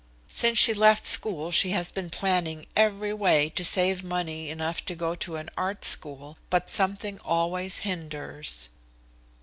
Since she left school she has been planning every way to save money enough to go to an art school, but something always hinders."